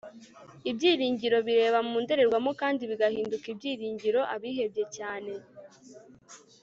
Ibyiringiro bireba mu ndorerwamo kandi bigahinduka ibyiringiro abihebye cyane